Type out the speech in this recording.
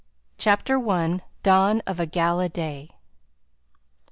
CHAPTER I. THE DAWN OF A GALA DAY.